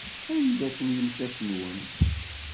Anda-ten yimcac-nwen?